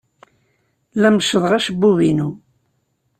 La meccḍeɣ acebbub-inu.